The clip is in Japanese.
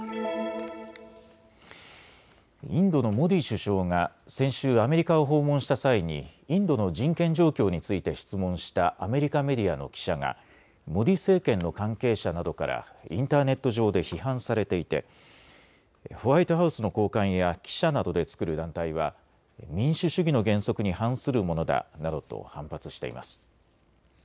インドのモディ首相が先週、アメリカを訪問した際にインドの人権状況について質問したアメリカメディアの記者がモディ政権の関係者などからインターネット上で批判されていてホワイトハウスの高官や記者などで作る団体は民主主義の原則に反するものだなどと反発しています。